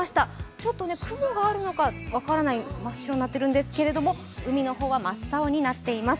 ちょっと雲があるのか分からない、真っ白になっているんですけれども、海の方は真っ青になっています。